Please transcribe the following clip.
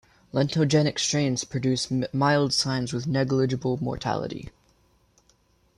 Lentogenic strains produce mild signs with negligible mortality.